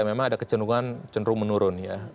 memang ada kecenderungan cenderung menurun ya